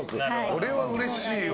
これはうれしいわ。